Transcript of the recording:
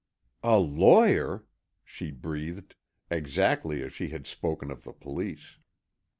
"A lawyer!" she breathed, exactly as she had spoken of the police.